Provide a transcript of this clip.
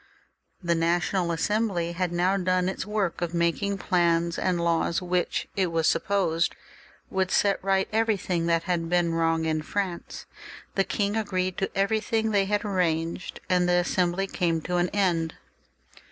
The National Assembly had now done its work of making plans and laws, which it was supposed would set right everything that had been virrong in France. The king agreed to everything they had arranged, and the Assembly came to an end.